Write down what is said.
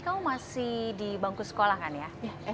kamu masih di bangku sekolah kan ya